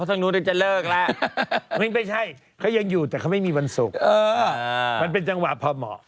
เพราะตรงนู้นมันจะเลิกแล้ว